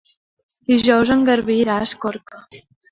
Dijous en Garbí irà a Escorca.